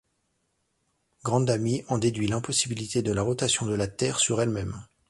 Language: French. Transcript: Grandami en déduit l'impossibilité de la rotation de la Terre sur elle-même.